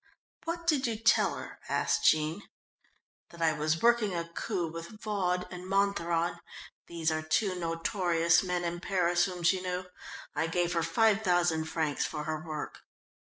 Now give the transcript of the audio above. "What did you tell her?" asked Jean. "That I was working a coup with Vaud and Montheron. These are two notorious men in Paris whom she knew. I gave her five thousand francs for her work."